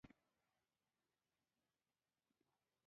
د سیم جالۍ، د رنګ جوړولو لپاره لوښي هم پکار دي.